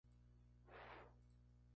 Una versión "jazz" de la banda Bo.